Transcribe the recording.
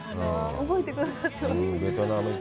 覚えてくださって。